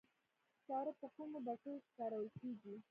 سکاره په کومو بټیو کې کارول کیږي؟